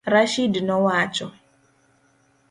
Rashid nowacho